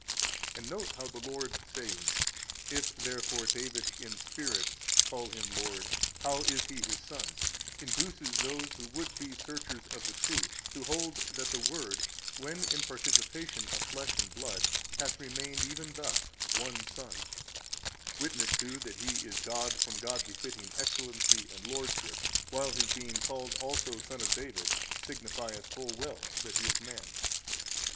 And note how the Lord saying, If therefore David in spirit call Him Lord how is He his Son, induces those who would be searchers of the truth, to hold that the Word when in participation of flesh and blood hath remained even thus One Son: witnessed to that He is God from God befitting Excellency and Lordship, while His being called also Son of David signifieth full well that He is Man.